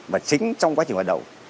và chính trong quá trình hoạt động